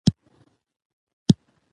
که سطح وي نو اصطکاک نه ورکیږي.